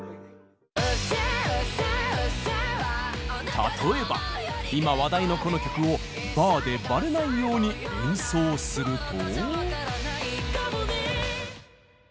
例えば今話題のこの曲をバーでバレないように演奏すると。